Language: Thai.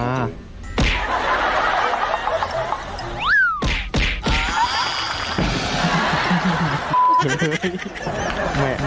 มันมีตาไหม